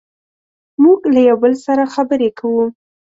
موږ له یو بل سره خبرې کوو.